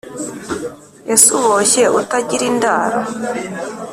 Ese Uboshye utagira indaro